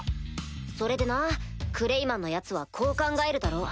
それでなクレイマンのヤツはこう考えるだろう。